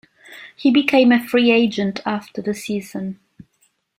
He became a free agent after the season.